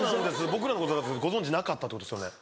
僕らのことなんかご存じなかったってことですよね。